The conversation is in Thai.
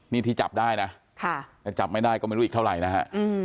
นี่ที่จับได้นะถ้าจับไม่ได้ก็ไม่รู้อีกเท่าไหร่นะฮะ